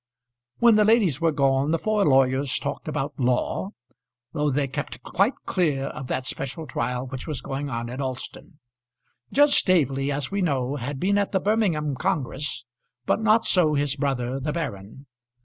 When the ladies were gone the four lawyers talked about law, though they kept quite clear of that special trial which was going on at Alston. Judge Staveley, as we know, had been at the Birmingham congress; but not so his brother the baron.